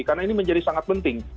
karena ini menjadi sangat penting